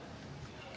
anda tahu pak habibie